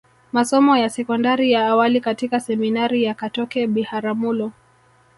Masomo ya sekondari ya awali katika Seminari ya Katoke Biharamulo